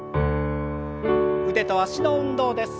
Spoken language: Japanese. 腕と脚の運動です。